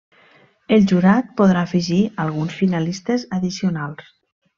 El jurat podrà afegir alguns finalistes addicionals.